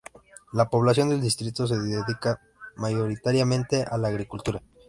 La población del distrito se dedica mayoritariamente a la agricultura.